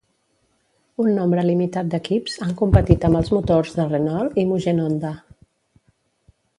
Un nombre limitat d'equips han competit amb els motors de Renault i Mugen-Honda.